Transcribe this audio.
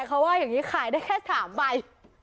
เขาว่าอย่างนี้ขายได้แค่๓ใบ